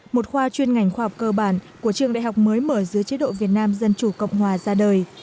một khoa chuyên ngành khoa học cơ bản của trường đại học mới mở dưới chế độ việt nam dân chủ cộng hòa ra đời